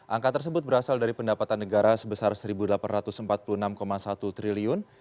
angka tersebut berasal dari pendapatan negara sebesar rp satu delapan ratus empat puluh enam satu triliun